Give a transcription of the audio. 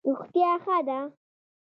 روغتیا ښه ده.